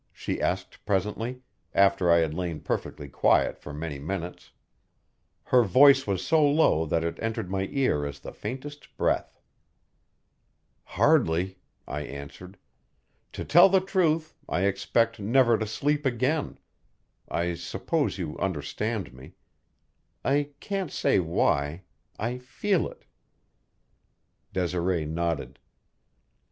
she asked presently, after I had lain perfectly quiet for many minutes. Her voice was so low that it entered my ear as the faintest breath. "Hardly," I answered. "To tell the truth, I expect never to sleep again I suppose you understand me. I can't say why I feel it." Desiree nodded.